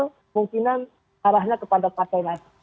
kemungkinan arahnya kepada pak tengah